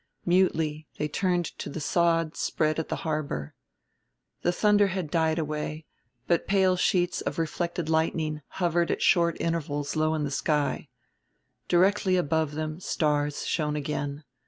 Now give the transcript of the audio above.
Mutely they turned to the sod spread at the harbor. The thunder had died away, but pale sheets of reflected lightning hovered at short intervals low in the sky. Directly above them stars shone again.